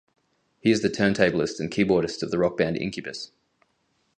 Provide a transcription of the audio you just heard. He is the turntablist and keyboardist of the rock band Incubus.